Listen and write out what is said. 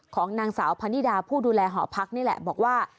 ของนางสาวพนิดาผู้ดูแลหอพักนี่แหละบอกว่า